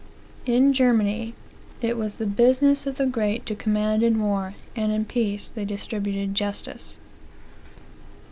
In Germany "It was the business of the great to command in war, and in peace they distributed justice.